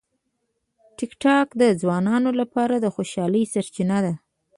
ټیکټاک د ځوانانو لپاره د خوشالۍ سرچینه ده.